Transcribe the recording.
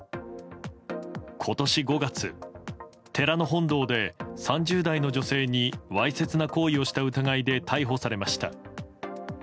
今年５月、寺の本堂で３０代の女性にわいせつな行為をした疑いで逮捕されました。